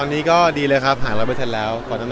ตอนนี้ก็ดีเลยครับหารอไปสัดแล้ว